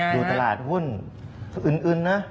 อยู่ตลาดหุ้นอึนนะ